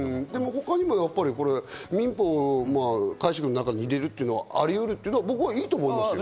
他にもやっぱり民法、解釈の中に入れるというのはありうるというのは僕はいいと思いますよ。